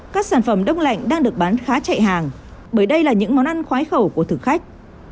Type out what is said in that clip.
các sản phẩm đông lạnh đang được bán khá chạy hàng bởi đây là những món ăn khoái khẩu của thực khách